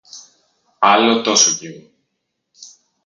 Άλλο τόσο κι εγώ